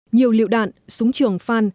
nhiều liệu đạn súng trường fan